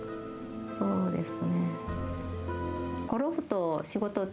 そうですね。